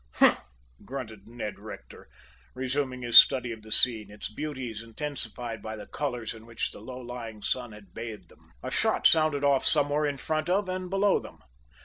"Humph!" grunted Ned Rector, resuming his study of the scene, its beauties intensified by the colors in which the low lying sun had bathed them. A shot sounded off somewhere in front of and below them.